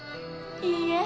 いいえ。